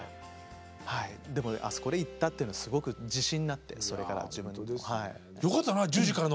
はいでもあそこで行ったというのはすごく自信になってそれから自分の。